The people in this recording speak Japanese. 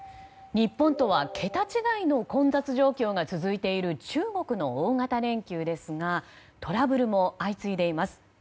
日本とは桁違いの混雑状況が続いている中国の大型連休ですがトラブルも相次いでいます。